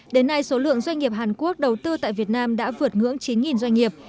đến nay số lượng doanh nghiệp hàn quốc đầu tư tại việt nam đã vượt ngưỡng chín doanh nghiệp